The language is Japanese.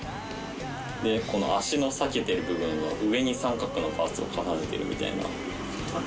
でこの足の裂けてる部分は上に三角のパーツを重ねてるみたいな。